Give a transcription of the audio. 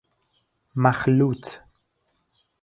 مخلوط